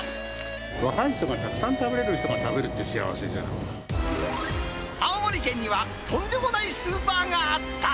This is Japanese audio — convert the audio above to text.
若い人がたくさん食べれる人青森県には、とんでもないスーパーがあった。